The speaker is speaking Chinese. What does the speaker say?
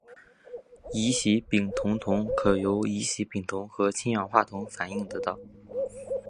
乙酰丙酮铜可由乙酰丙酮和氢氧化铜反应得到。